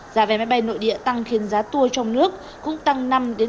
giá vé máy bay nội địa tăng khiến giá tour trong nước cũng tăng năm sáu